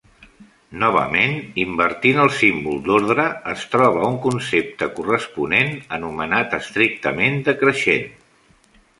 Novament, invertint el símbol d'ordre, es troba un concepte corresponent anomenat estrictament decreixent.